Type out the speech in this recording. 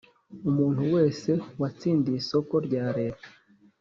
Umuntu wese watsindiye isoko rya Leta